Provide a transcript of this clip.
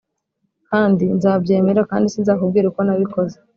kandi nzabyemera kandi sinzakubwira uko nabikoze